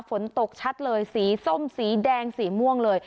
ฝนตกชัดเลยสีส้มสีแดงสีม่วงเลย